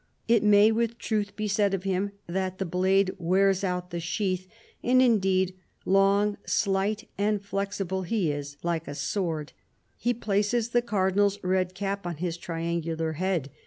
It may with truth be said of him that the blade wears out the sheath ; and indeed, long, slight and flexible, he is like a sword. He places the cardinal's red cap on his triangular head.